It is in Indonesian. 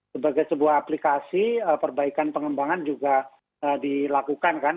sebagai sebuah aplikasi perbaikan pengembangan juga dilakukan kan